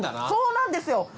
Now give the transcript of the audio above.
そうなんですよ！